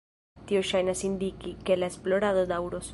Tio ŝajnas indiki, ke la esplorado daŭros.